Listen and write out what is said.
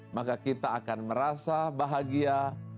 maka kita akan merasa bahagia